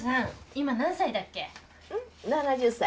今何歳だっけ？